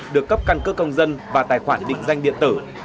được cấp căn cước công dân và tài khoản định danh điện tử